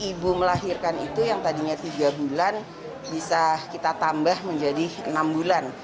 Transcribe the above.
ibu melahirkan itu yang tadinya tiga bulan bisa kita tambah menjadi enam bulan